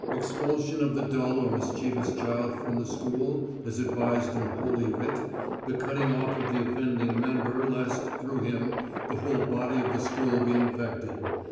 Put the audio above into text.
Expulsion of the dull or mischievous child from the school as advised in Holy Writ the cutting off of the offending member lest, through him, the whole body of the school be infected.